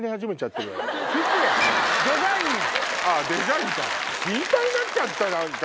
あぁデザインか心配になっちゃったあんた。